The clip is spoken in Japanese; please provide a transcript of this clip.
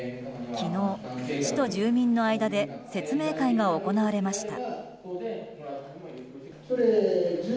昨日、市と住民の間で説明会が行われました。